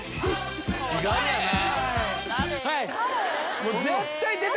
意外やな。